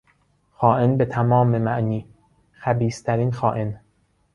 خائن به تمام معنی، خبیثترین خائن